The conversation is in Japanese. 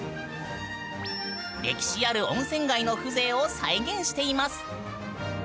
歴史ある温泉街の風情を再現しています。